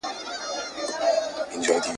هی کوه یې لکه ډلي د اوزگړو ..